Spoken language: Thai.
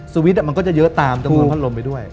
สวิตซ์มันก็จะเยอะตามตรงกลางพัดลมไปด้วย